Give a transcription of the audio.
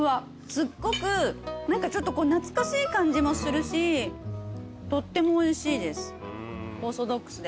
すっごく何かちょっと懐かしい感じもするしとってもおいしいですオーソドックスで。